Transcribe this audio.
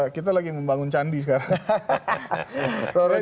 kita lagi membangun candi sekarang